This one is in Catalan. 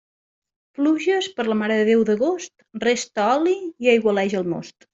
Pluges per la Mare de Déu d'agost, resta oli i aigualeix el most.